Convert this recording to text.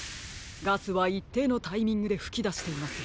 ガスはいっていのタイミングでふきだしています。